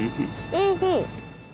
おいしい。